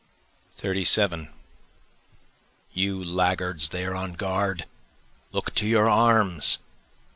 37 You laggards there on guard! look to your arms!